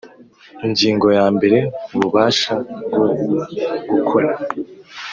Ingingo ya mbere Ububasha bwo gukora